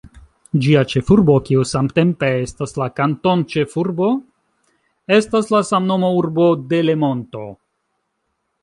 Ĝia ĉefurbo, kiu samtempe estas la kantonĉefurbo, estas la samnoma urbo Delemonto.